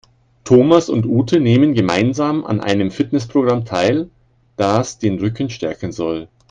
Thomas und Ute nehmen gemeinsam an einem Fitnessprogramm teil, das den Rücken stärken soll.